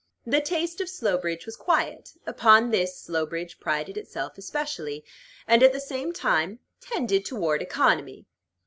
The taste of Slowbridge was quiet, upon this Slowbridge prided itself especially, and, at the same time, tended toward economy.